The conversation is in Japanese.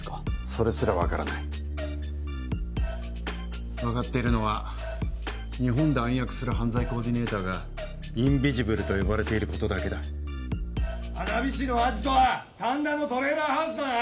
それすら分からない分かっているのは日本で暗躍する犯罪コーディネーターがインビジブルと呼ばれていることだけだ花火師のアジトは三田のトレーラーハウスだな？